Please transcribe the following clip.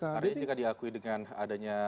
jadi jika diakui dengan adanya